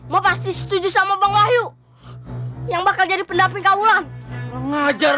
mbak pasti setuju sama bang wahyu yang bakal jadi pendaping kawulan mengajar